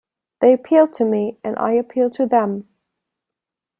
They appeal to me and I appeal to them.